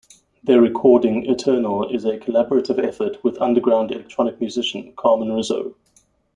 Their recording "Eternal" is a collaborative effort with underground electronic musician, Carmen Rizzo.